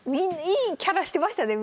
いいキャラしてましたね